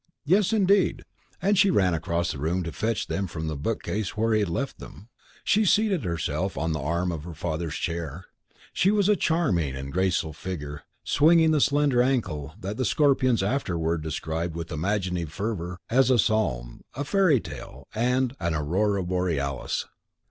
"Yes, indeed," and she ran across the room to fetch them from the bookcase where he had left them. She seated herself on the arm of her father's chair. She was a charming and graceful figure, swinging the slender ankle that the Scorpions afterward described with imaginative fervour as "a psalm," "a fairy tale," and "an aurora borealis."